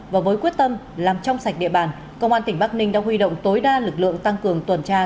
và với quyết tâm làm trong sạch địa bàn công an tỉnh bắc ninh đã huy động tối đa lực lượng tăng cường tuần tra